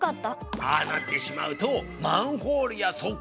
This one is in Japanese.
ああなってしまうとマンホールやそっ